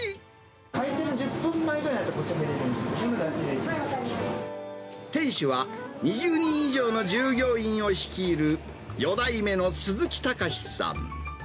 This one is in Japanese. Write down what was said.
開店１０分前ぐらいになると店主は、２０人以上の従業員を率いる、４代目の鈴木崇さん。